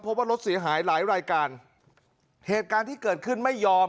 เพราะว่ารถเสียหายหลายรายการเหตุการณ์ที่เกิดขึ้นไม่ยอม